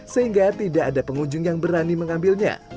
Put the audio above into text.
sehingga tidak ada pengunjung yang berani mengambilnya